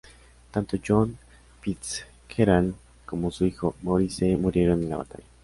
Tanto John Fitzgerald como su hijo, Maurice, murieron en la batalla.